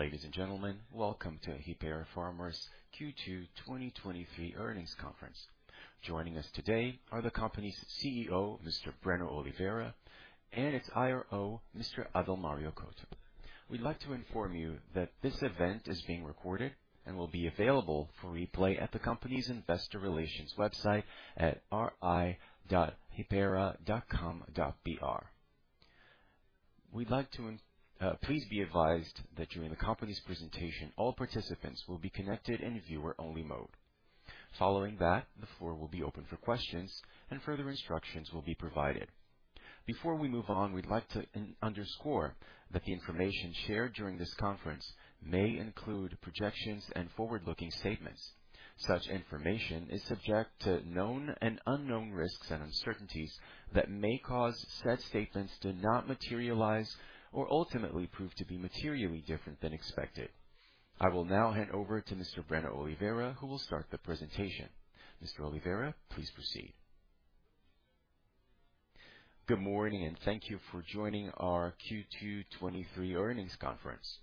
Ladies and gentlemen, welcome to Hypera Pharma's Q2 2023 earnings conference. Joining us today are the company's CEO, Mr. Breno Oliveira, and its IRO, Mr. Adalmario Couto. We'd like to inform you that this event is being recorded and will be available for replay at the company's investor relations website at ri.hypera.com.br. Please be advised that during the company's presentation, all participants will be connected in viewer-only mode. Following that, the floor will be open for questions and further instructions will be provided. Before we move on, we'd like to underscore that the information shared during this conference may include projections and forward-looking statements. Such information is subject to known and unknown risks and uncertainties that may cause said statements to not materialize or ultimately prove to be materially different than expected. I will now hand over to Mr. Breno Oliveira, who will start the presentation. Mr. Oliveira, please proceed. Good morning, and thank you for joining our Q2 2023 earnings conference.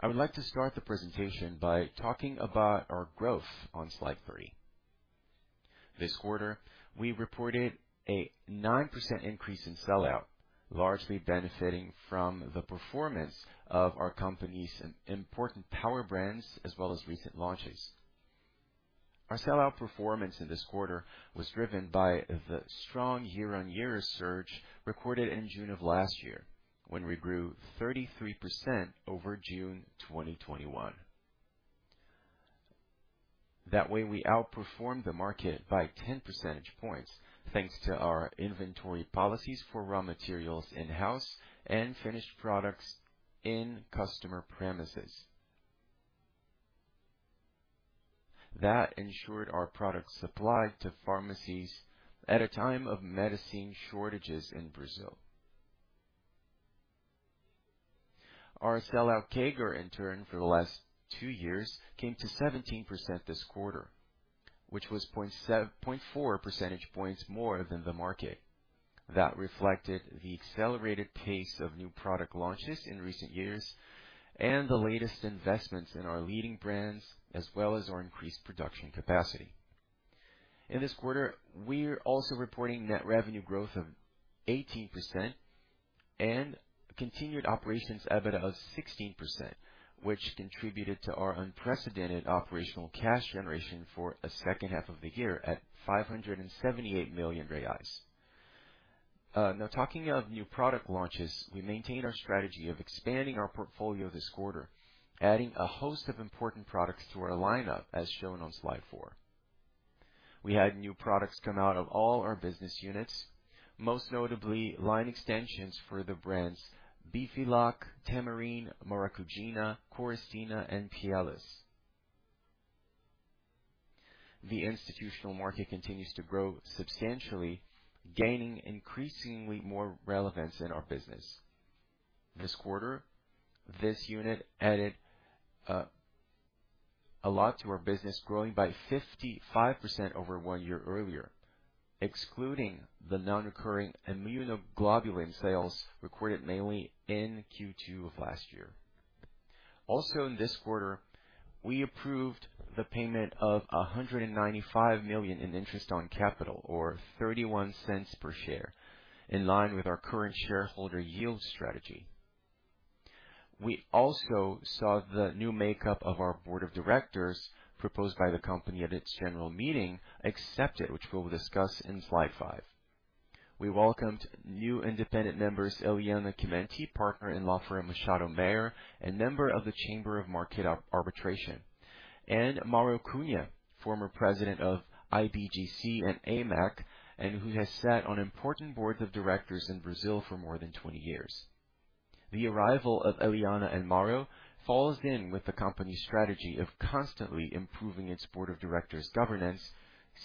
I would like to start the presentation by talking about our growth on slide 3. This quarter, we reported a 9% increase in sell-out, largely benefiting from the performance of our company's important power brands, as well as recent launches. Our sell-out performance in this quarter was driven by the strong year-on-year surge recorded in June of last year, when we grew 33% over June 2021. That way, we outperformed the market by 10 percentage points, thanks to our inventory policies for raw materials in-house and finished products in customer premises. That ensured our product supplied to pharmacies at a time of medicine shortages in Brazil. Our sellout CAGR, in turn, for the last two years, came to 17% this quarter, which was 0.4 percentage points more than the market. That reflected the accelerated pace of new product launches in recent years and the latest investments in our leading brands, as well as our increased production capacity. In this quarter, we're also reporting net revenue growth of 18% and continued operations EBITDA of 16%, which contributed to our unprecedented operational cash generation for a second half of the year at 578 million reais. Now, talking of new product launches, we maintain our strategy of expanding our portfolio this quarter, adding a host of important products to our lineup, as shown on slide 4. We had new products come out of all our business units, most notably line extensions for the brands, Bifilac, Tamarine, Maracugina, Coristina, and Pielus. The institutional market continues to grow substantially, gaining increasingly more relevance in our business. This quarter, this unit added a lot to our business, growing by 55% over one year earlier, excluding the non-recurring immunoglobulin sales recorded mainly in Q2 of last year. Also, in this quarter, we approved the payment of $195 million in interest on capital, or $0.31 per share, in line with our current shareholder yield strategy. We also saw the new makeup of our board of directors, proposed by the company at its general meeting, accepted, which we will discuss in slide 5. We welcomed new independent members, Eliana Chimenti, partner in law firm, Machado Meyer, and member of the Market Arbitration Chamber, and Mauro Cunha, former president of IBGC and AMEC, and who has sat on important boards of directors in Brazil for more than 20 years. The arrival of Eliana and Mauro falls in with the company's strategy of constantly improving its board of directors' governance,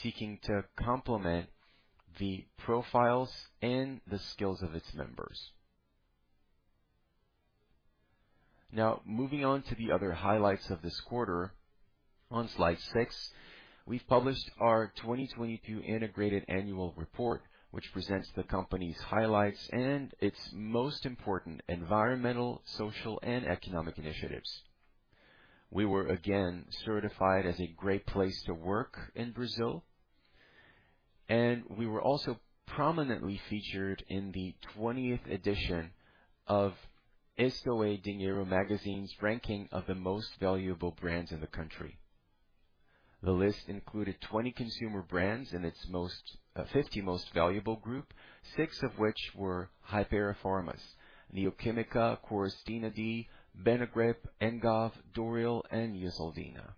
seeking to complement the profiles and the skills of its members. Now, moving on to the other highlights of this quarter. On slide 6, we've published our 2022 integrated annual report, which presents the company's highlights and its most important environmental, social, and economic initiatives. We were again certified as a Great Place to Work in Brazil, and we were also prominently featured in the 20th edition of IstoÉ Dinheiro magazine's ranking of the most valuable brands in the country. The list included 20 consumer brands in its 50 most valuable group, six of which were Hypera Pharma, Neo Quimica, Coristina D, Benegrip, Engov, Doril, and Neosaldina.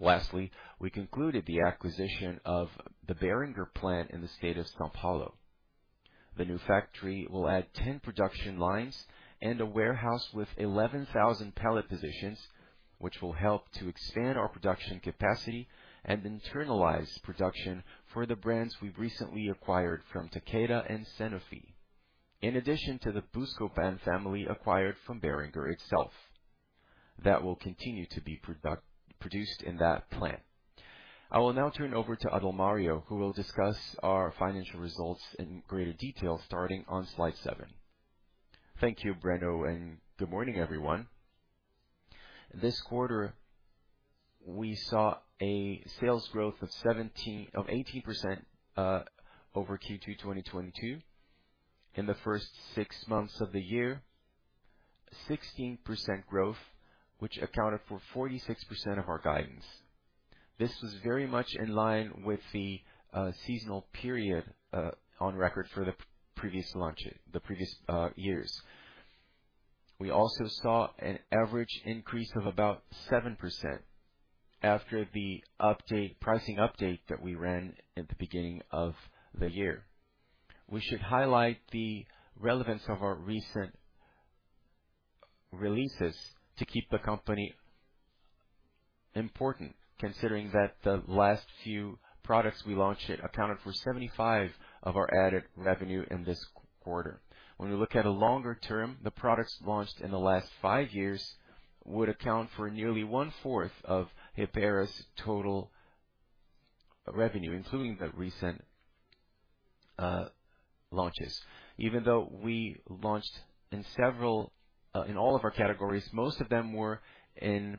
Lastly, we concluded the acquisition of the Boehringer plant in the state of São Paulo. The new factory will add 10 production lines and a warehouse with 11,000 pallet positions, which will help to expand our production capacity and internalize production for the brands we've recently acquired from Takeda and Sanofi. In addition to the Buscopan family, acquired from Boehringer itself. That will continue to be product- produced in that plant. I will now turn over to Adalmario, who will discuss our financial results in greater detail, starting on slide 7. Thank you, Breno, and good morning, everyone. This quarter, we saw a sales growth of 18% over Q2 2022. In the first six months of the year, 16% growth, which accounted for 46% of our guidance. This was very much in line with the seasonal period on record for the previous launch, the previous years. We also saw an average increase of about 7% after the update, pricing update that we ran at the beginning of the year. We should highlight the relevance of our recent releases to keep the company important, considering that the last few products we launched accounted for 75 of our added revenue in this quarter. When we look at a longer term, the products launched in the last five years would account for nearly 1/4 of Hypera's total revenue, including the recent launches. Even though we launched in several, in all of our categories, most of them were in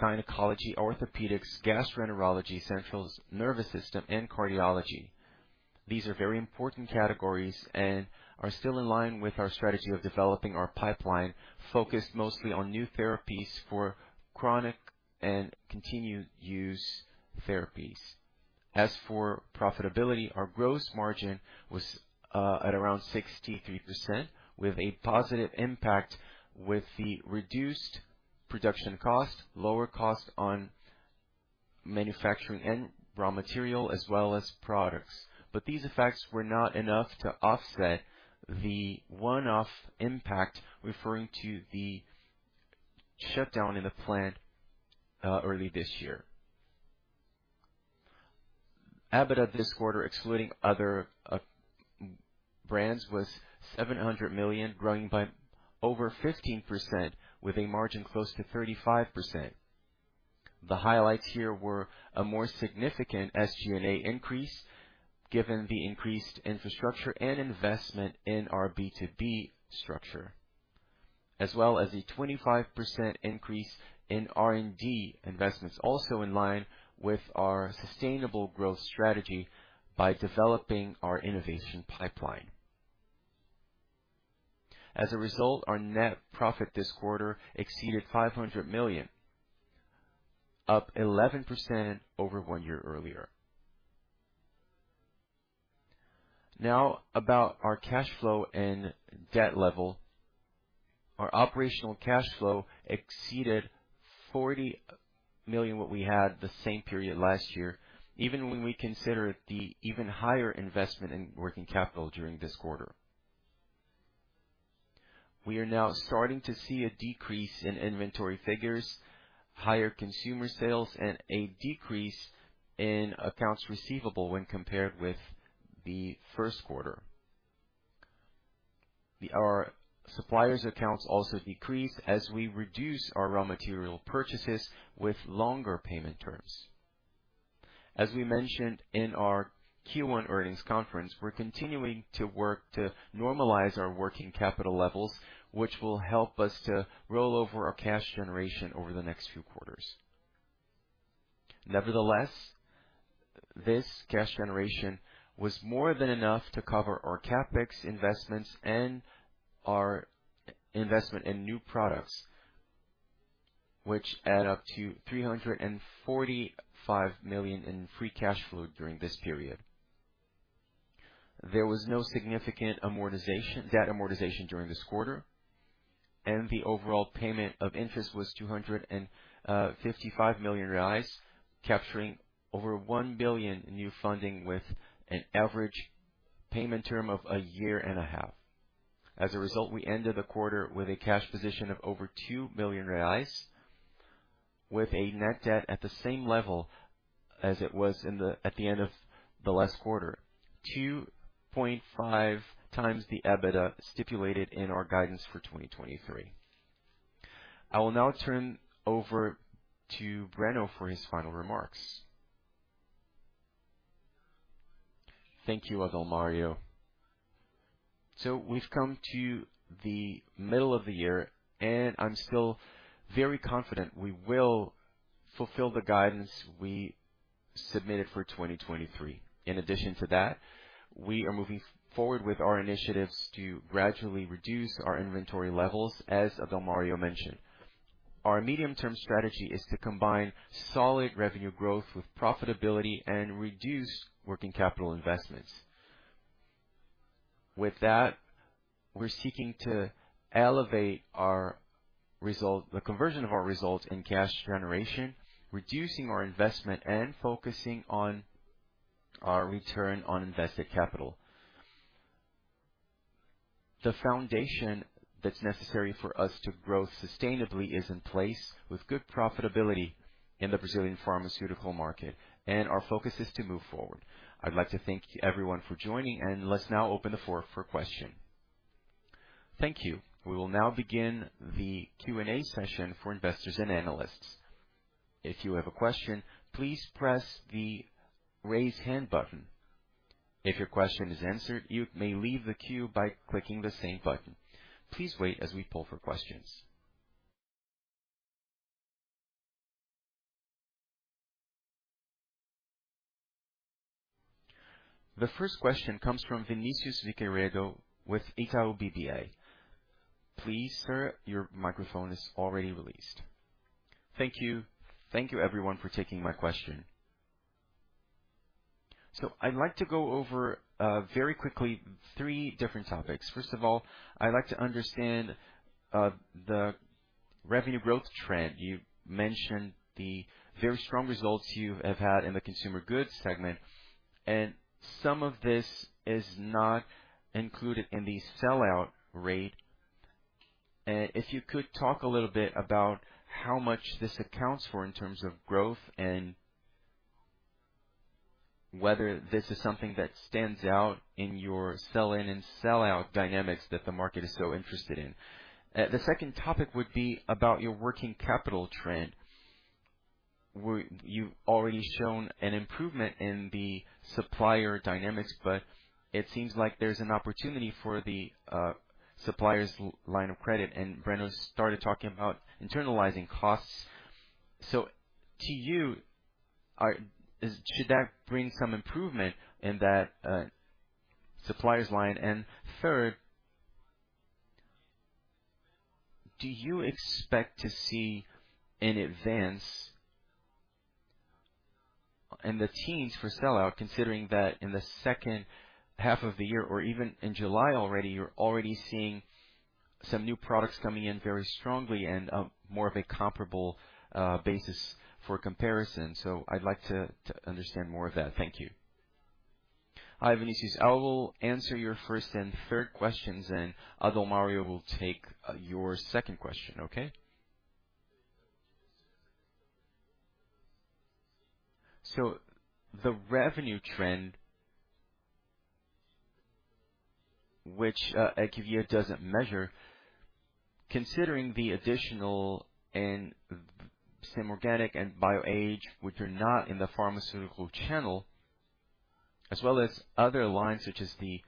gynecology, orthopedics, gastroenterology, central nervous system, and cardiology. These are very important categories and are still in line with our strategy of developing our pipeline, focused mostly on new therapies for chronic and continued use therapies. As for profitability, our gross margin was at around 63%, with a positive impact, with the reduced production cost, lower cost on manufacturing and raw material, as well as products. These effects were not enough to offset the one-off impact, referring to the shutdown in the plant early this year. EBITDA this quarter, excluding other brands, was 700 million, growing by over 15%, with a margin close to 35%. The highlights here were a more significant SG&A increase, given the increased infrastructure and investment in our B2B structure, as well as a 25% increase in R&D investments, also in line with our sustainable growth strategy by developing our innovation pipeline. As a result, our net profit this quarter exceeded $500 million, up 11% over one year earlier. Now, about our cash flow and debt level. Our operational cash flow exceeded $40 million, what we had the same period last year, even when we consider the even higher investment in working capital during this quarter. We are now starting to see a decrease in inventory figures, higher consumer sales, and a decrease in accounts receivable when compared with the first quarter. Our suppliers accounts also decreased as we reduce our raw material purchases with longer payment terms. As we mentioned in our Q1 earnings conference, we're continuing to work to normalize our working capital levels, which will help us to roll over our cash generation over the next few quarters. Nevertheless, this cash generation was more than enough to cover our CapEx investments and our investment in new products, which add up to 345 million in free cash flow during this period. There was no significant amortization, debt amortization during this quarter, and the overall payment of interest was 255 million reais, capturing over 1 billion in new funding, with an average payment term of a year and 1/2. As a result, we ended the quarter with a cash position of over 2 billion reais, with a net debt at the same level as it was at the end of the last quarter, 2.5x the EBITDA stipulated in our guidance for 2023. I will now turn over to Breno for his final remarks. Thank you, Adalmario. We've come to the middle of the year, and I'm still very confident we will fulfill the guidance we submitted for 2023. In addition to that, we are moving forward with our initiatives to gradually reduce our inventory levels as Adalmario mentioned. Our medium-term strategy is to combine solid revenue growth with profitability and reduce working capital investments. With that, we're seeking to elevate our result, the conversion of our results in cash generation, reducing our investment and focusing on our return on invested capital. The foundation that's necessary for us to grow sustainably is in place, with good profitability in the Brazilian pharmaceutical market, and our focus is to move forward. I'd like to thank everyone for joining, and let's now open the floor for questions. Thank you. We will now begin the Q&A session for investors and analysts. If you have a question, please press the Raise Hand button. If your question is answered, you may leave the queue by clicking the same button. Please wait as we pull for questions. The first question comes from Vinicius Figueiredo with Itaú BBA. Please, sir, your microphone is already released. Thank you. Thank you, everyone, for taking my question. I'd like to go over, very quickly, three different topics. First of all, I'd like to understand the revenue growth trend. You mentioned the very strong results you have had in the consumer goods segment, and some of this is not included in the sell-out rate. If you could talk a little bit about how much this accounts for in terms of growth and whether this is something that stands out in your sell-in and sell-out dynamics that the market is so interested in. The second topic would be about your working capital trend, where you've already shown an improvement in the supplier dynamics, but it seems like there's an opportunity for the suppliers line of credit, and Breno started talking about internalizing costs. To you, should that bring some improvement in that suppliers line? Third, do you expect to see an advance in the 10s for sell-out, considering that in the second half of the year, or even in July already, you're already seeing some new products coming in very strongly and more of a comparable basis for comparison? I'd like to understand more of that. Thank you. Hi, Vinicius. I will answer your first and third questions, and Adalmario will take your second question. Okay? The revenue trend, which EQ doesn't measure, considering the additional and Simple Organic and Bioage, which are not in the pharmaceutical channel, as well as other lines such as the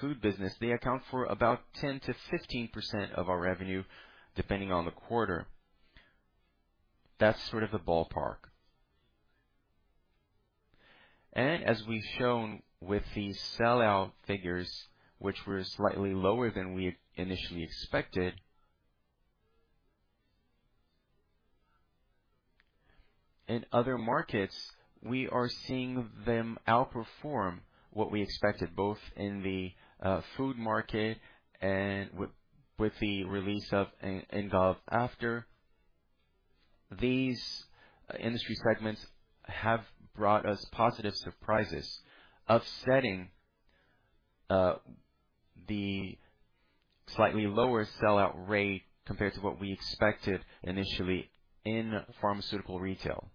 food business, they account for about 10%-15% of our revenue, depending on the quarter. That's sort of a ballpark. As we've shown with the sell-out figures, which were slightly lower than we initially expected, in other markets, we are seeing them outperform what we expected, both in the food market and with the release of Engov. After these industry segments have brought us positive surprises, offsetting the slightly lower sell-out rate compared to what we expected initially in pharmaceutical retail.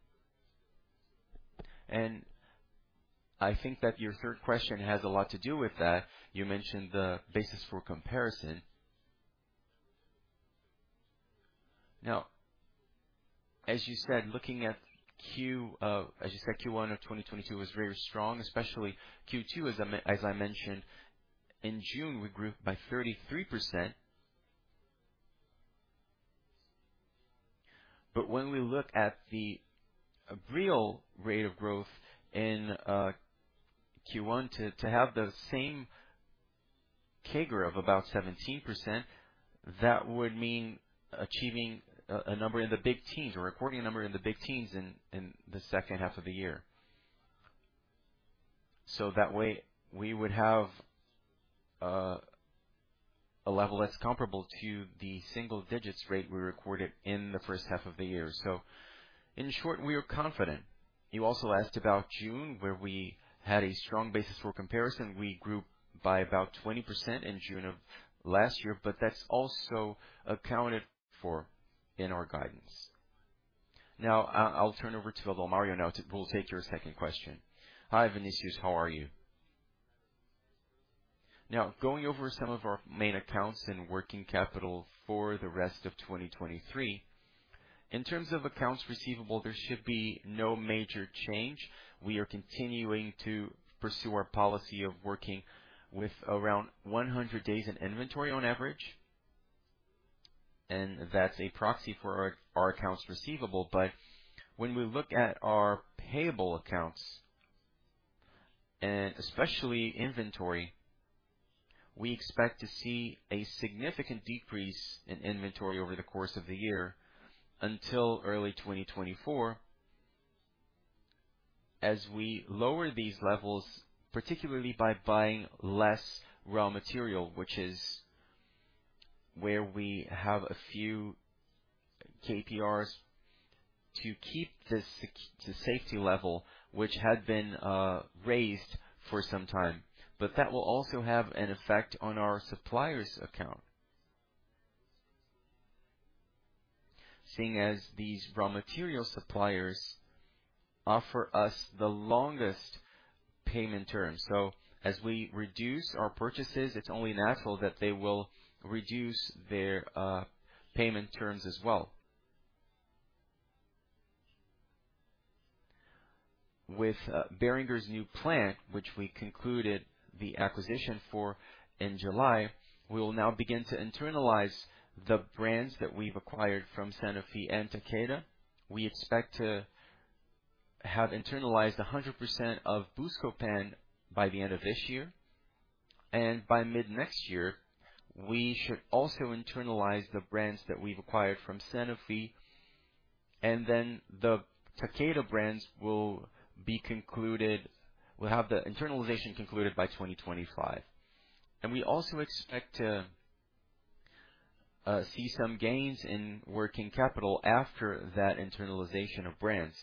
I think that your third question has a lot to do with that. You mentioned the basis for comparison. Now, as you said, looking at Q1, as you said, Q1 of 2022 was very strong, especially Q2. As I mentioned, in June, we grew by 33%. When we look at the real rate of growth in Q1 to, to have the same CAGR of about 17%, that would mean achieving a, a number in the big teens or recording a number in the big teens in the second half of the year. That way, we would have a level that's comparable to the single digits rate we recorded in the first half of the year. In short, we are confident. You also asked about June, where we had a strong basis for comparison. We grew by about 20% in June of last year, but that's also accounted for in our guidance. I, I'll turn over to Adalmario now, who will take your second question. Hi, Vinicius, how are you? Going over some of our main accounts and working capital for the rest of 2023. In terms of accounts receivable, there should be no major change. We are continuing to pursue our policy of working with around 100 days in inventory on average, and that's a proxy for our, our accounts receivable. When we look at our payable accounts, and especially inventory, we expect to see a significant decrease in inventory over the course of the year until early 2024, as we lower these levels, particularly by buying less raw material, which is where we have a few KPIs to keep the safety level, which had been raised for some time. That will also have an effect on our suppliers account. Seeing as these raw material suppliers offer us the longest payment terms. As we reduce our purchases, it's only natural that they will reduce their payment terms as well. With Boehringer's new plant, which we concluded the acquisition for in July, we will now begin to internalize the brands that we've acquired from Sanofi and Takeda. We expect to have internalized 100% of Buscopan by the end of this year. By mid-next year, we should also internalize the brands that we've acquired from Sanofi. The Takeda brands will be concluded. We'll have the internalization concluded by 2025. We also expect to see some gains in working capital after that internalization of brands.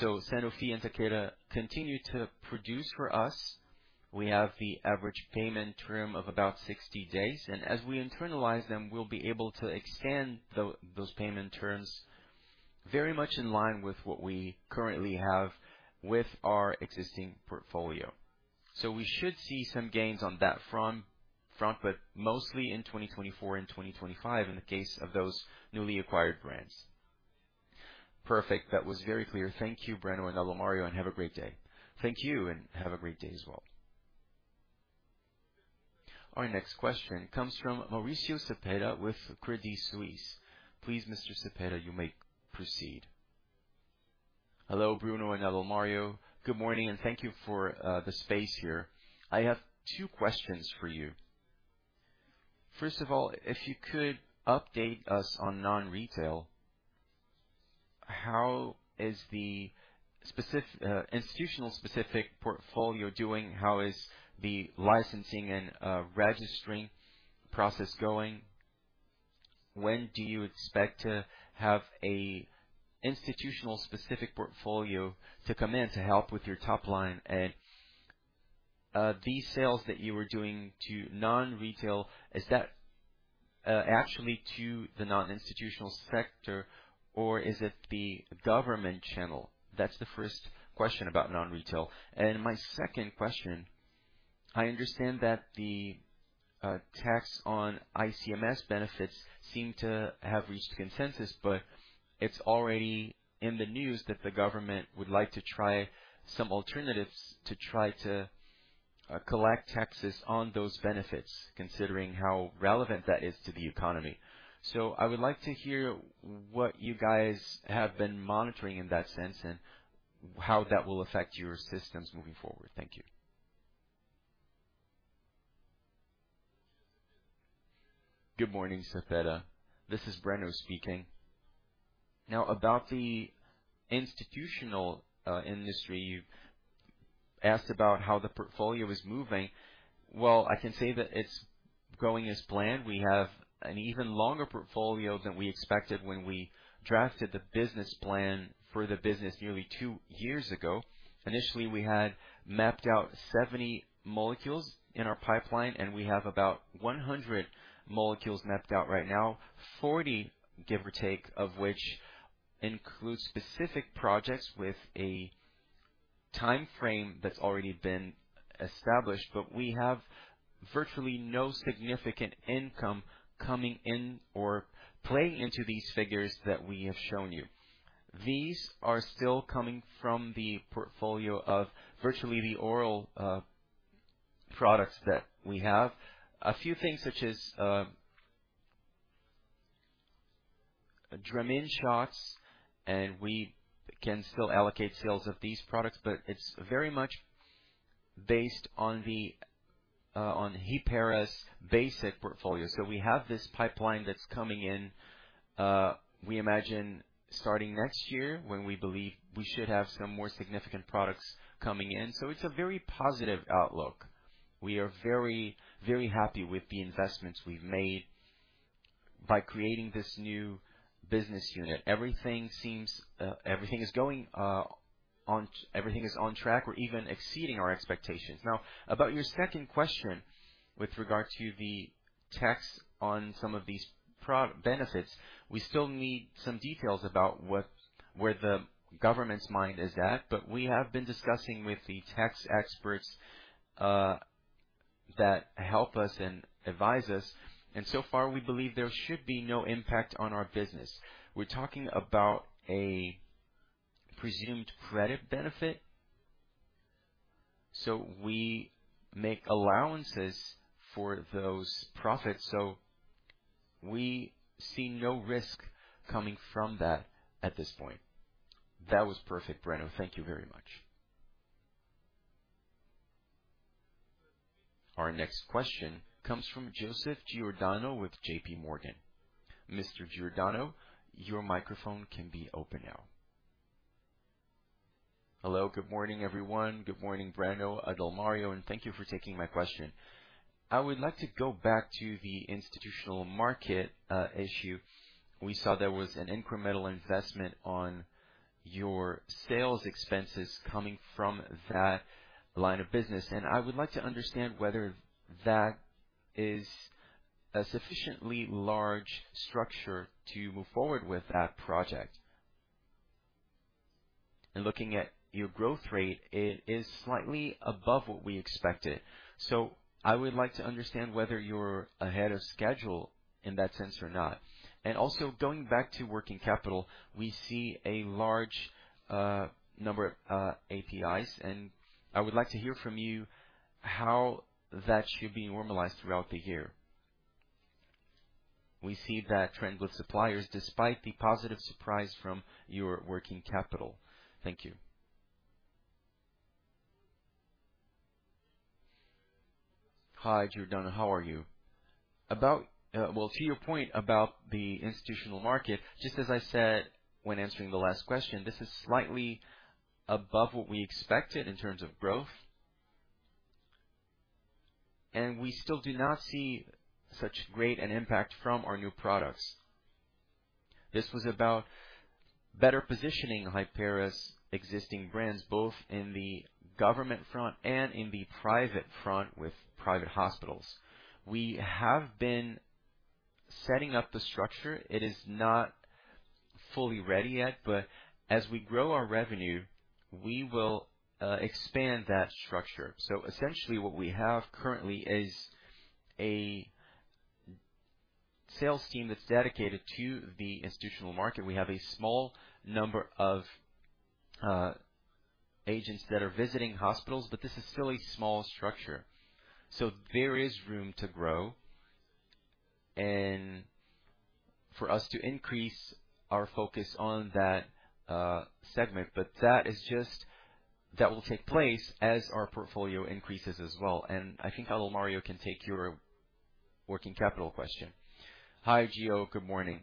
Sanofi and Takeda continue to produce for us. We have the average payment term of about 60 days, and as we internalize them, we'll be able to extend those payment terms very much in line with what we currently have with our existing portfolio. We should see some gains on that front, front, but mostly in 2024 and 2025, in the case of those newly acquired brands. Perfect. That was very clear. Thank you, Breno and Adalmario, and have a great day. Thank you, and have a great day as well. Our next question comes from Mauricio Cepeda with Credit Suisse. Please, Mr. Cepeda, you may proceed. Hello, Breno and Adalmario. Good morning, and thank you for the space here. I have two questions for you. First of all, if you could update us on non-retail, how is the institutional specific portfolio doing? How is the licensing and registering process going? When do you expect to have a institutional specific portfolio to come in to help with your top line? These sales that you were doing to non-retail, is that actually to the non-institutional sector, or is it the government channel? That's the first question about non-retail. My second question, I understand that the tax on ICMS benefits seem to have reached a consensus, but it's already in the news that the government would like to try some alternatives to try to collect taxes on those benefits, considering how relevant that is to the economy. I would like to hear what you guys have been monitoring in that sense and how that will affect your systems moving forward. Thank you. Good morning, Cepeda. This is Breno speaking. Now, about the institutional industry, you asked about how the portfolio is moving. Well, I can say that it's going as planned. We have an even longer portfolio than we expected when we drafted the business plan for the business nearly two years ago. Initially, we had mapped out 70 molecules in our pipeline, and we have about 100 molecules mapped out right now, 40, give or take, of which includes specific projects with a timeframe that's already been established. We have virtually no significant income coming in or playing into these figures that we have shown you. These are still coming from the portfolio of virtually the oral products that we have. A few things, such as Dramin shots, and we can still allocate sales of these products, but it's very much based on the Hypera's basic portfolio. We have this pipeline that's coming in, we imagine starting next year, when we believe we should have some more significant products coming in. It's a very positive outlook. We are very, very happy with the investments we've made by creating this new business unit. Everything seems, everything is going on. Everything is on track. We're even exceeding our expectations. Now, about your second question with regard to the tax on some of these pro benefits. We still need some details about what, where the government's mind is at, but we have been discussing with the tax experts that help us and advise us, and so far, we believe there should be no impact on our business. We're talking about a presumed credit benefit, so we make allowances for those profits, so we see no risk coming from that at this point. That was perfect, Breno. Thank you very much. Our next question comes from Joseph Giordano with JP Morgan. Mr. Giordano, your microphone can be open now. Hello, good morning, everyone. Good morning, Breno, Adalmario, and thank you for taking my question. I would like to go back to the institutional market issue. We saw there was an incremental investment on your sales expenses coming from that line of business, and I would like to understand whether that is a sufficiently large structure to move forward with that project. Looking at your growth rate, it is slightly above what we expected. I would like to understand whether you're ahead of schedule in that sense or not. Also going back to working capital, we see a large number of APIs, and I would like to hear from you how that should be normalized throughout the year. We see that trend with suppliers, despite the positive surprise from your working capital. Thank you. Hi, Giordano. How are you? About, well, to your point about the institutional market, just as I said when answering the last question, this is slightly above what we expected in terms of growth. We still do not see such great an impact from our new products. This was about better positioning Hypera's existing brands, both in the government front and in the private front, with private hospitals. We have been setting up the structure. It is not fully ready yet, but as we grow our revenue, we will expand that structure. Essentially what we have currently is a sales team that's dedicated to the institutional market. We have a small number of agents that are visiting hospitals, but this is still a small structure, so there is room to grow and for us to increase our focus on that segment. That will take place as our portfolio increases as well. I think Adalmario can take your working capital question. Hi, Gio. Good morning.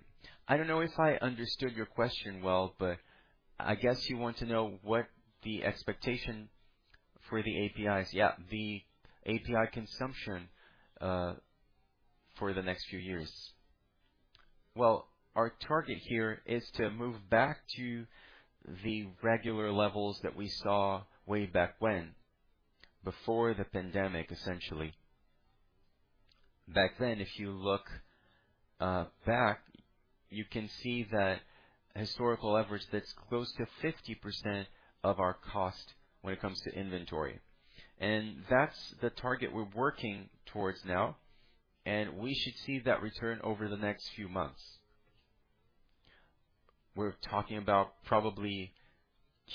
I don't know if I understood your question well, but I guess you want to know what the expectation for the APIs. The API consumption for the next few years. Our target here is to move back to the regular levels that we saw way back when, before the pandemic, essentially. Back then, if you look back, you can see that historical average that's close to 50% of our cost when it comes to inventory. That's the target we're working towards now, and we should see that return over the next few months. We're talking about probably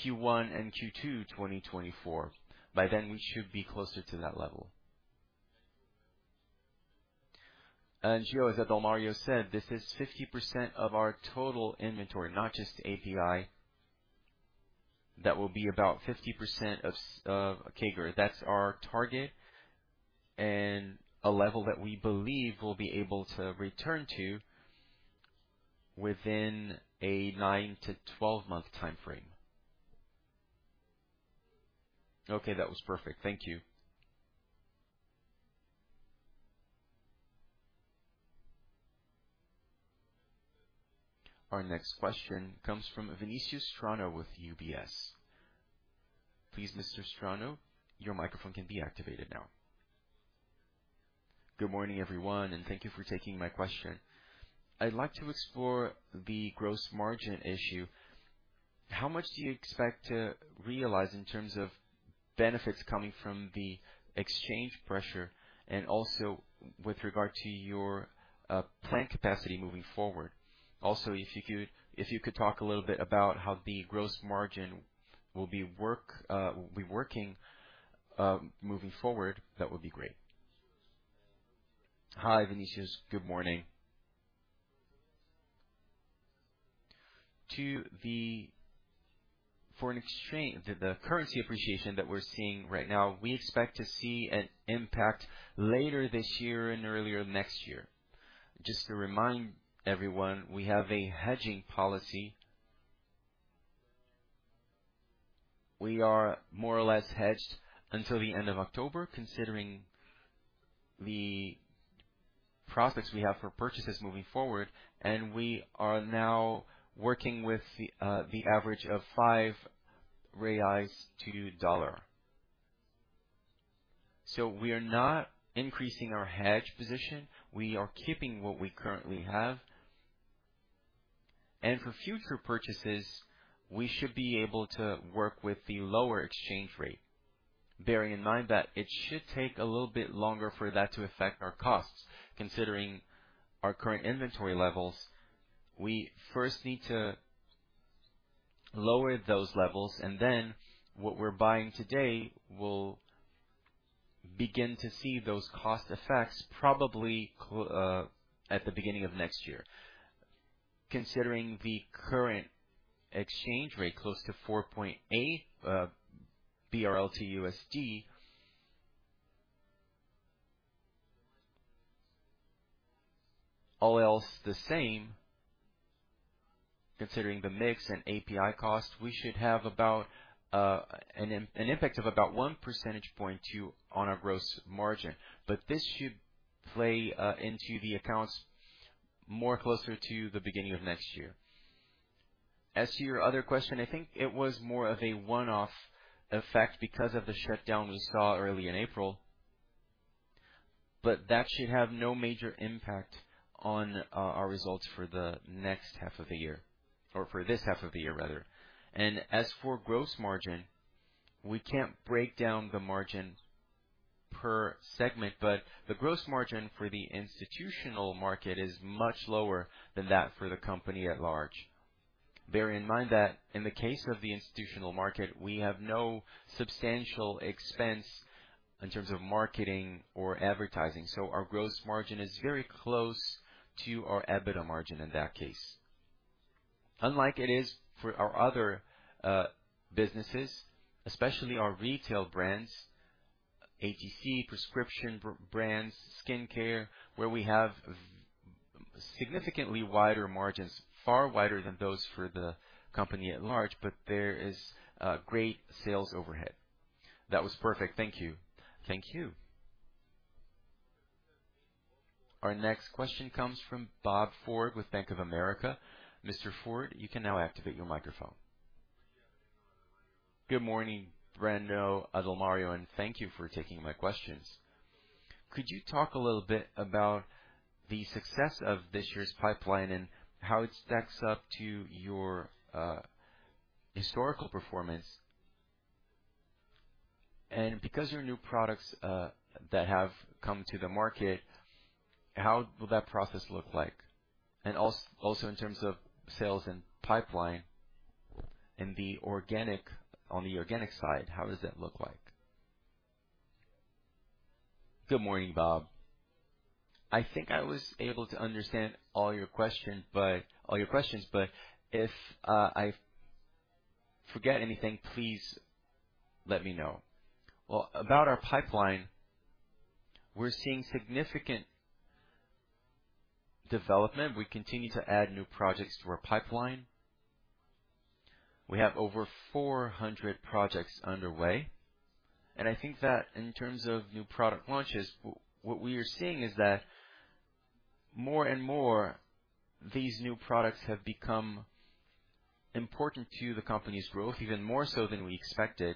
Q1 and Q2, 2024. By then, we should be closer to that level. Gio, as Adalmario said, this is 50% of our total inventory, not just API. That will be about 50% of CAGR. That's our target and a level that we believe we'll be able to return to within a 9-12 month time frame. Okay, that was perfect. Thank you. Our next question comes from Vinicius Strano with UBS. Please, Mr. Strano, your microphone can be activated now. Good morning, everyone, and thank you for taking my question. I'd like to explore the gross margin issue. How much do you expect to realize in terms of benefits coming from the exchange pressure and also with regard to your plant capacity moving forward? Also, if you could, if you could talk a little bit about how the gross margin will be working moving forward, that would be great. Hi, Vinicius. Good morning. For an exchange, the currency appreciation that we're seeing right now, we expect to see an impact later this year and earlier next year. Just to remind everyone, we have a hedging policy. We are more or less hedged until the end of October, considering the prospects we have for purchases moving forward, and we are now working with the average of 5 reais to dollar. We are not increasing our hedge position. We are keeping what we currently have. For future purchases, we should be able to work with the lower exchange rate. Bearing in mind that it should take a little bit longer for that to affect our costs. Considering our current inventory levels, we first need to lower those levels, and then what we're buying today will begin to see those cost effects, probably at the beginning of next year. Considering the current exchange rate, close to 4.8 to USD. All else the same, considering the mix and API costs, we should have about an impact of about 1 percentage point two on our gross margin. This should play into the accounts more closer to the beginning of next year. As to your other question, I think it was more of a one-off effect because of the shutdown we saw early in April. That should have no major impact on our results for the next half of the year or for this half of the year, rather. As for gross margin, we can't break down the margin per segment, but the gross margin for the institutional market is much lower than that for the company at large. Bear in mind that in the case of the institutional market, we have no substantial expense in terms of marketing or advertising, so our gross margin is very close to our EBITDA margin in that case. Unlike it is for our other businesses, especially our retail brands, OTC, prescription brands, skincare, where we have significantly wider margins, far wider than those for the company at large, but there is a great sales overhead. That was perfect. Thank you. Thank you. Our next question comes from Bob Ford with Bank of America. Mr. Ford, you can now activate your microphone. Good morning, Breno, Adalmario, and thank you for taking my questions. Could you talk a little bit about the success of this year's pipeline and how it stacks up to your historical performance? Because your new products that have come to the market, how will that process look like? Also, in terms of sales and pipeline On the organic side, how does that look like? Good morning, Bob. I think I was able to understand all your question, but all your questions. If I forget anything, please let me know. Well, about our pipeline, we're seeing significant development. We continue to add new projects to our pipeline. We have over 400 projects underway. I think that in terms of new product launches, what we are seeing is that more and more, these new products have become important to the company's growth, even more so than we expected.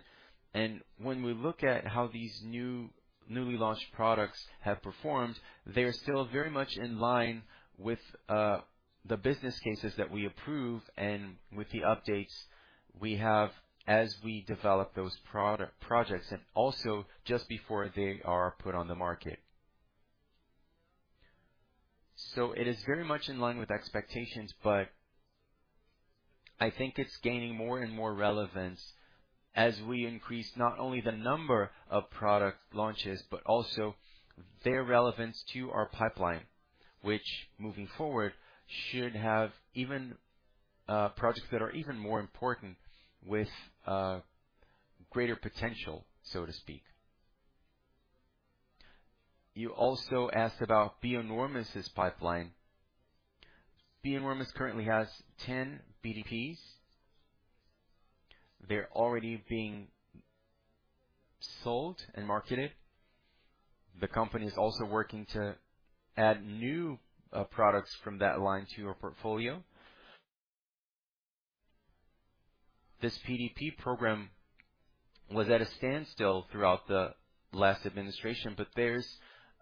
When we look at how these new, newly launched products have performed, they are still very much in line with the business cases that we approve and with the updates we have as we develop those projects, and also just before they are put on the market. It is very much in line with expectations, but I think it's gaining more and more relevance as we increase not only the number of product launches, but also their relevance to our pipeline, which, moving forward, should have even projects that are even more important with greater potential, so to speak. You also asked about Bionovis' pipeline. Bionovis currently has 10 PDPs. They're already being sold and marketed. The company is also working to add new products from that line to our portfolio. This PDP program was at a standstill throughout the last administration, but there's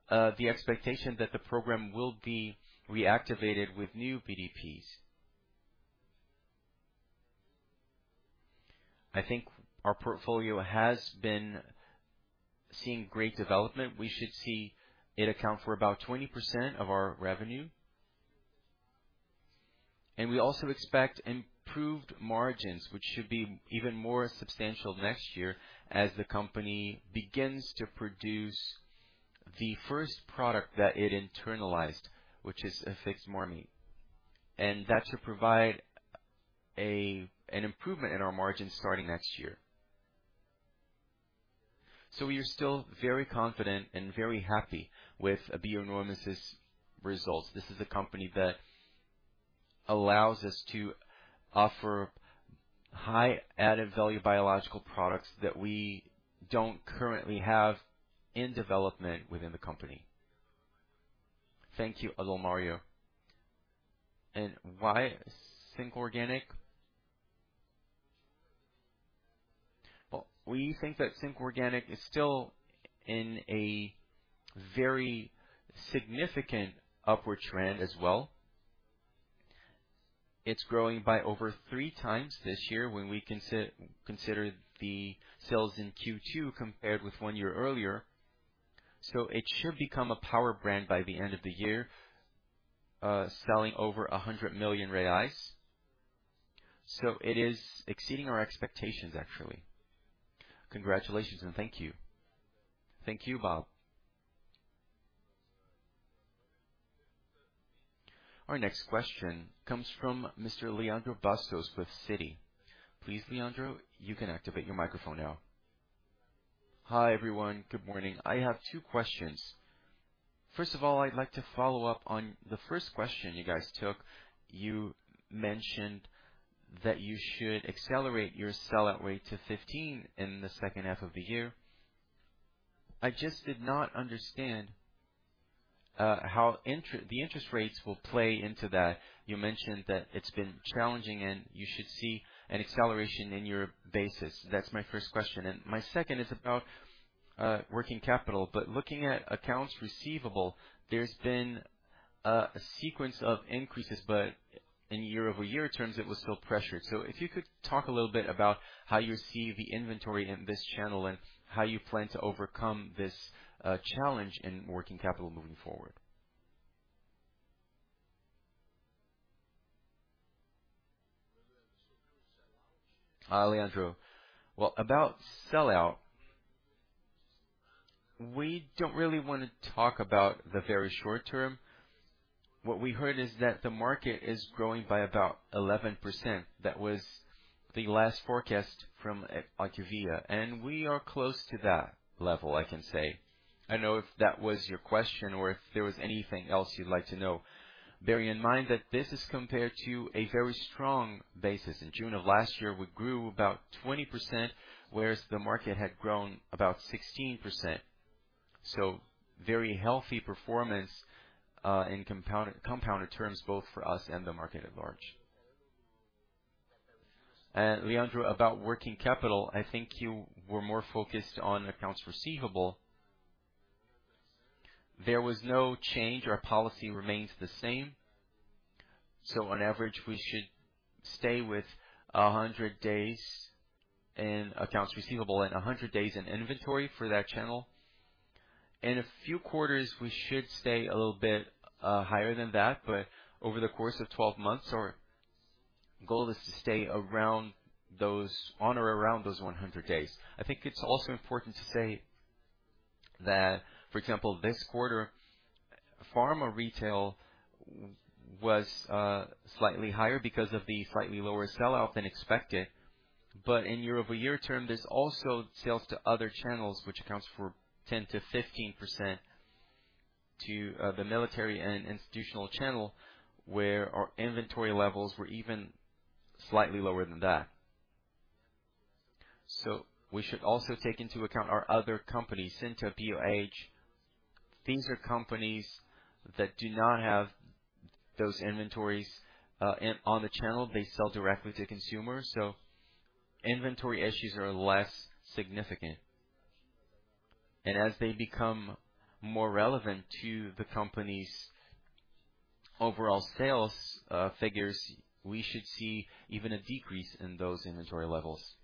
the expectation that the program will be reactivated with new PDPs. I think our portfolio has been seeing great development. We should see it account for about 20% of our revenue. We also expect improved margins, which should be even more substantial next year as the company begins to produce the first product that it internalized, which is Vitasay Imune, and that should provide an improvement in our margins starting next year. We are still very confident and very happy with Bionovis' results. This is a company that allows us to offer high added-value biological products that we don't currently have in development within the company. Thank you, Adalmario. Why Simple Organic? Well, we think that Simple Organic is still in a very significant upward trend as well. It's growing by over 3x this year when we consider the sales in Q2 compared with one year earlier, so it should become a power brand by the end of the year, selling over 100 million reais. It is exceeding our expectations, actually. Congratulations, and thank you. Thank you, Bob. Our next question comes from Mr. Leandro Bastos with Citi. Please, Leandro, you can activate your microphone now. Hi, everyone. Good morning. I have two questions. First of all, I'd like to follow up on the first question you guys took. You mentioned that you should accelerate your sell-out rate to 15 in the second half of the year. I just did not understand how the interest rates will play into that. You mentioned that it's been challenging, and you should see an acceleration in your basis. That's my first question. My second is about working capital. Looking at accounts receivable, there's been a sequence of increases, but in year-over-year terms, it was still pressured. If you could talk a little bit about how you see the inventory in this channel and how you plan to overcome this challenge in working capital moving forward. Hi, Leandro. Well, about sellout, we don't really want to talk about the very short term. What we heard is that the market is growing by about 11%. That was the last forecast from IQVIA, and we are close to that level, I can say. I don't know if that was your question or if there was anything else you'd like to know. Bearing in mind that this is compared to a very strong basis. In June of last year, we grew about 20%, whereas the market had grown about 16%. Very healthy performance, in compound, compounded terms, both for us and the market at large. Leandro, about working capital, I think you were more focused on accounts receivable. There was no change. Our policy remains the same. On average, we should stay with 100 days in accounts receivable and 100 days in inventory for that channel. In a few quarters, we should stay a little bit higher than that, but over the course of 12 months, our goal is to stay around those, on or around those 100 days. I think it's also important to say that, for example, this quarter, pharma retail was slightly higher because of the slightly lower sellout than expected. In year-over-year term, there's also sales to other channels, which accounts for 10%-15% to the military and institutional channel, where our inventory levels were even slightly lower than that. We should also take into account our other companies, Simple Orhanic, Bioage. These are companies that do not have those inventories in, on the channel. They sell directly to consumers, inventory issues are less significant. As they become more relevant to the company's overall sales figures, we should see even a decrease in those inventory levels.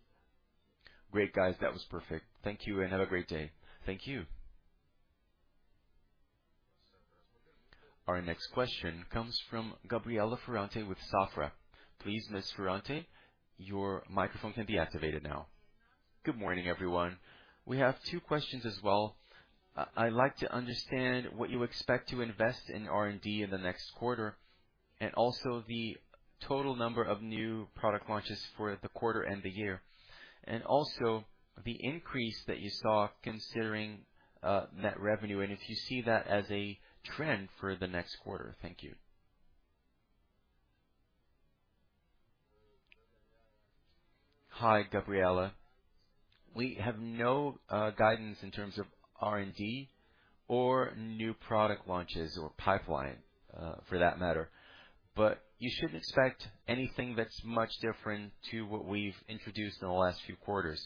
Great, guys. That was perfect. Thank you, have a great day. Thank you. Our next question comes from Gabriela Ferrante with Safra. Please, Ms. Ferrante, your microphone can be activated now. Good morning, everyone. We have two questions as well. I'd like to understand what you expect to invest in R&D in the next quarter, and also the total number of new product launches for the quarter and the year. Also the increase that you saw considering net revenue, and if you see that as a trend for the next quarter. Thank you. Hi, Gabriela. We have no guidance in terms of R&D or new product launches or pipeline for that matter, but you shouldn't expect anything that's much different to what we've introduced in the last few quarters.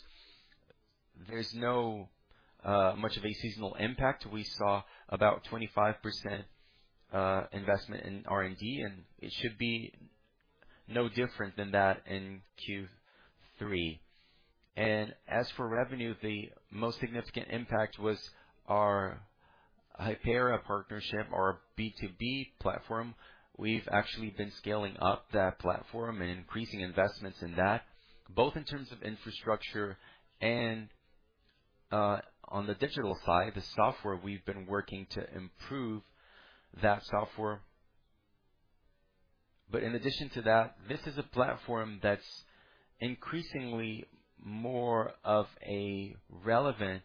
There's no much of a seasonal impact. We saw about 25% investment in R&D, and it should be no different than that in Q3. As for revenue, the most significant impact was our Hypera partnership, our B2B platform. We've actually been scaling up that platform and increasing investments in that, both in terms of infrastructure and on the digital side, the software. We've been working to improve that software. In addition to that, this is a platform that's increasingly more of a relevant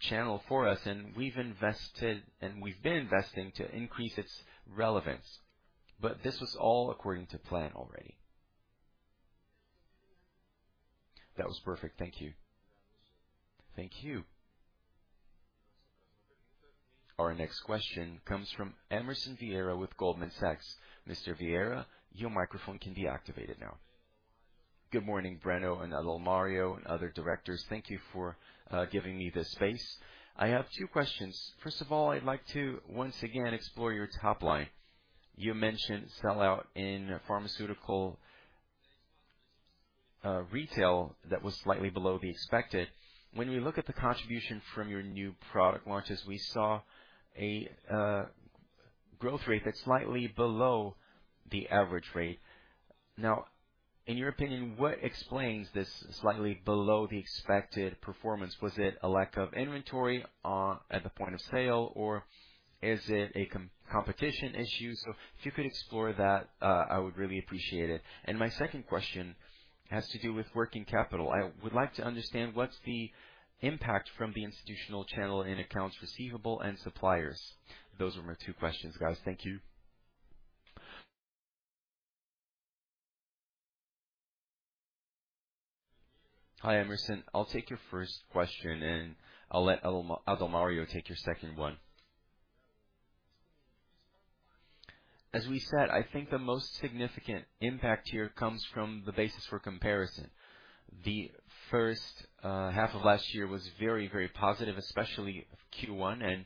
channel for us, and we've invested, and we've been investing to increase its relevance. This was all according to plan already. That was perfect. Thank you. Thank you. Our next question comes from Emerson Vieira with Goldman Sachs. Mr. Vieira, your microphone can be activated now. Good morning, Breno and Adalmario and other directors. Thank you for giving me this space. I have two questions. First of all, I'd like to once again explore your top line. You mentioned sell-out in pharmaceutical retail that was slightly below the expected. When we look at the contribution from your new product launches, we saw a growth rate that's slightly below the average rate. Now, in your opinion, what explains this slightly below the expected performance? Was it a lack of inventory at the point of sale, or is it a competition issue? So if you could explore that, I would really appreciate it. My second question has to do with working capital. I would like to understand what's the impact from the institutional channel in accounts receivable and suppliers. Those are my two questions, guys. Thank you. Hi, Emerson. I'll take your first question, and I'll let Adalmario take your second one. As we said, I think the most significant impact here comes from the basis for comparison. The first half of last year was very, very positive, especially Q1, and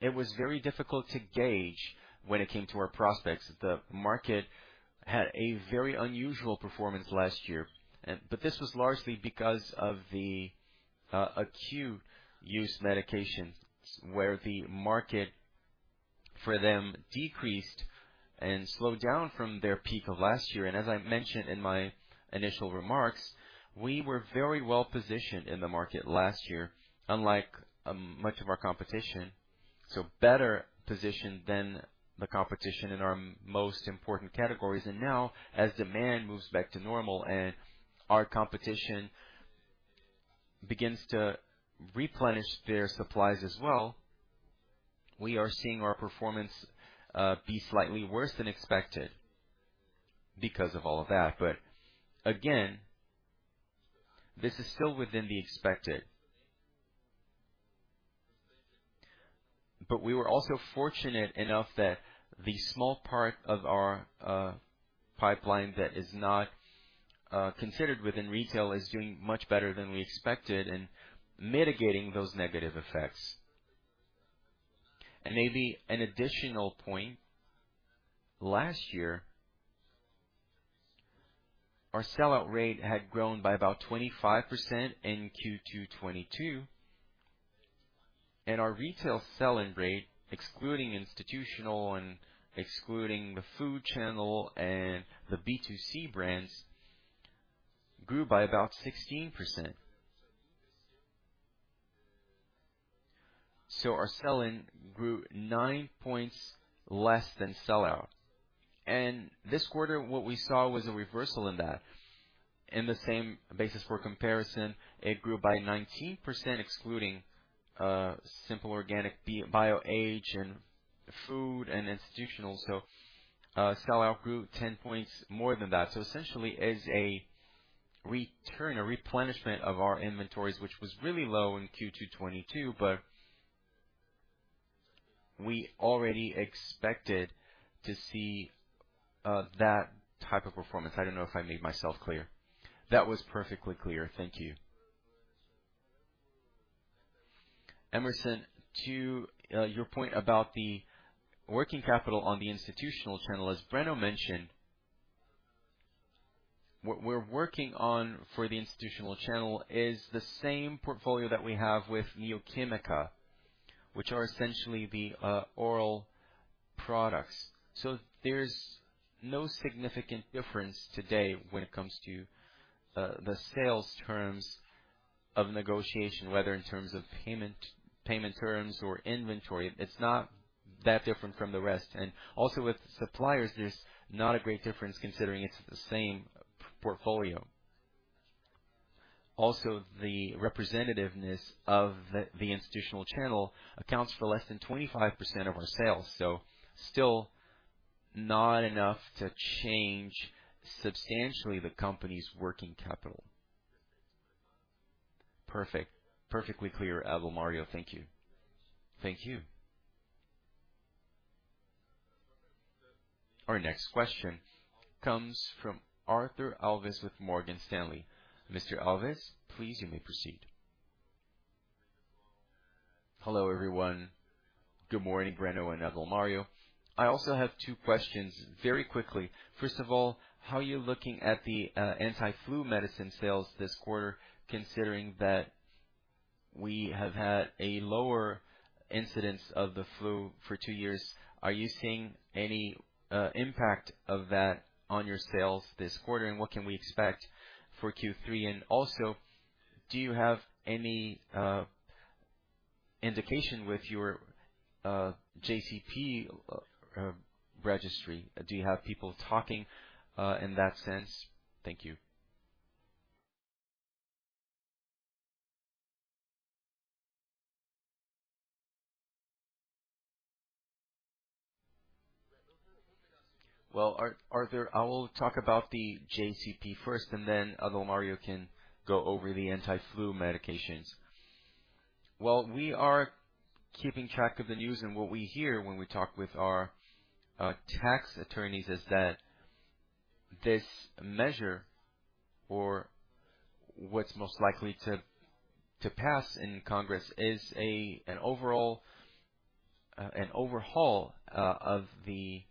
it was very difficult to gauge when it came to our prospects. The market had a very unusual performance last year, this was largely because of the acute use medications, where the market for them decreased and slowed down from their peak of last year. As I mentioned in my initial remarks, we were very well-positioned in the market last year, unlike much of our competition, so better positioned than the competition in our most important categories. Now, as demand moves back to normal and our competition begins to replenish their supplies as well, we are seeing our performance be slightly worse than expected because of all of that. Again, this is still within the expected. We were also fortunate enough that the small part of our pipeline that is not considered within retail is doing much better than we expected and mitigating those negative effects. Maybe an additional point, last year, our sellout rate had grown by about 25% in Q2 2022, and our retail sell-in rate, excluding institutional and excluding the food channel and the B2C brands, grew by about 16%. Our sell-in grew nine points less than sellout, and this quarter, what we saw was a reversal in that. In the same basis for comparison, it grew by 19%, excluding Simple Organic, Bioage and food and institutional. Sellout grew 10 points more than that. Essentially, as a return, a replenishment of our inventories, which was really low in Q2 2022, but we already expected to see that type of performance. I don't know if I made myself clear. That was perfectly clear. Thank you. Emerson, to your point about the working capital on the institutional channel, as Breno mentioned, what we're working on for the institutional channel is the same portfolio that we have with Neo Quimica, which are essentially the oral products. There's no significant difference today when it comes to the sales terms of negotiation, whether in terms of payment, payment terms or inventory. It's not that different from the rest, and also with suppliers, there's not a great difference considering it's the same portfolio. The representativeness of the institutional channel accounts for less than 25% of our sales, so still not enough to change substantially the company's working capital. Perfect. Perfectly clear, Adalmario. Thank you. Thank you. Our next question comes from Artur Alves with Morgan Stanley. Mr. Alves, please, you may proceed. Hello, everyone. Good morning, Breno and Adalmario. I also have two questions very quickly. First of all, how are you looking at the anti-flu medicine sales this quarter, considering that we have had a lower incidence of the flu for two years? Are you seeing any impact of that on your sales this quarter, and what can we expect for Q3? Also, do you have any indication with your JCP registry? Do you have people talking in that sense? Thank you. Well, Arthur, I will talk about the JCP first, and then Adalmario can go over the anti-flu medications. Well, we are keeping track of the news, and what we hear when we talk with our tax attorneys is that this measure or what's most likely to pass in Congress is an overall overhaul of the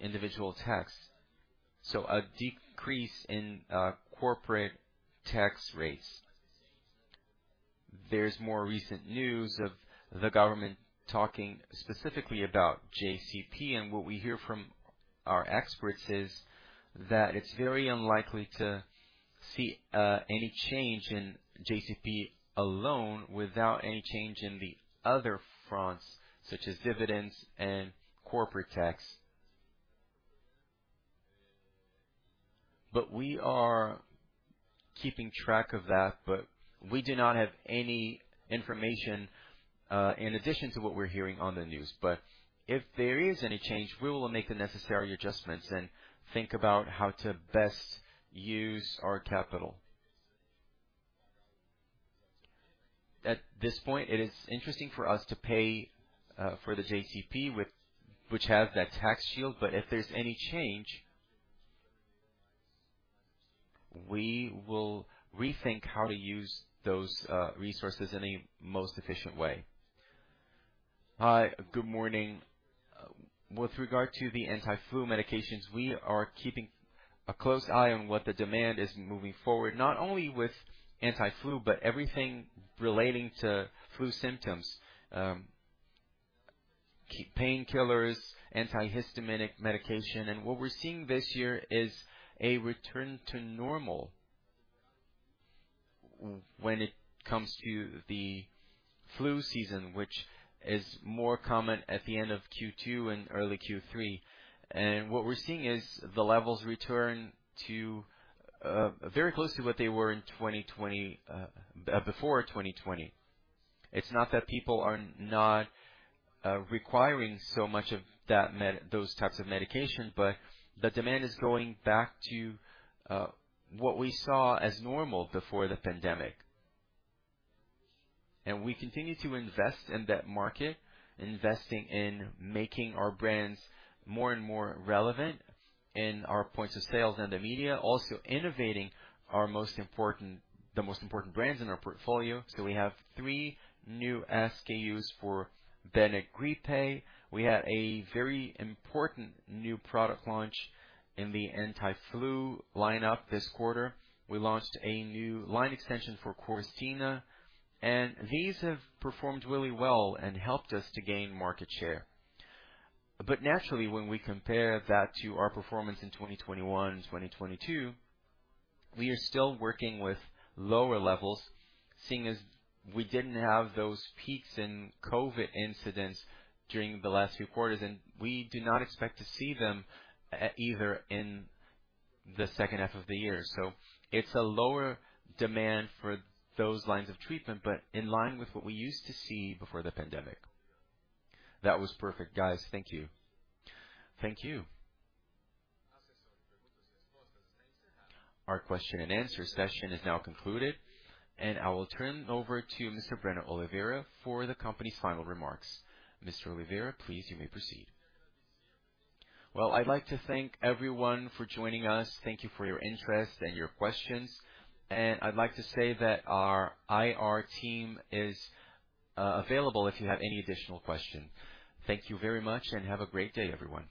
individual tax, so a decrease in corporate tax rates. There's more recent news of the government talking specifically about JCP, and what we hear from our experts is that it's very unlikely to see any change in JCP alone without any change in the other fronts, such as dividends and corporate tax. We are keeping track of that, but we do not have any information in addition to what we're hearing on the news. If there is any change, we will make the necessary adjustments and think about how to best use our capital. At this point, it is interesting for us to pay for the JCP, with- which has that tax shield, but if there's any change, we will rethink how to use those resources in a most efficient way. Hi, good morning. With regard to the anti-flu medications, we are keeping a close eye on what the demand is moving forward, not only with anti-flu, but everything relating to flu symptoms. Painkillers, antihistaminic medication, and what we're seeing this year is a return to normal w-when it comes to the flu season, which is more common at the end of Q2 and early Q3. What we're seeing is the levels return to very close to what they were in 2020 before 2020. It's not that people are not requiring so much of those types of medications, but the demand is going back to what we saw as normal before the pandemic. We continue to invest in that market, investing in making our brands more and more relevant in our points of sales and the media. Also innovating the most important brands in our portfolio. We have three new SKUs for Benegrip. We had a very important new product launch in the anti-flu lineup this quarter. We launched a new line extension for Coristina. These have performed really well and helped us to gain market share. Naturally, when we compare that to our performance in 2021 and 2022, we are still working with lower levels, seeing as we didn't have those peaks in Covid incidents during the last few quarters, and we do not expect to see them either in the second half of the year. It's a lower demand for those lines of treatment, but in line with what we used to see before the pandemic. That was perfect, guys. Thank you. Thank you. Our question and answer session is now concluded, and I will turn it over to Mr. Breno Oliveira for the company's final remarks. Mr. Oliveira, please, you may proceed. I'd like to thank everyone for joining us. Thank you for your interest and your questions, and I'd like to say that our IR team is available if you have any additional questions. Thank you very much and have a great day, everyone.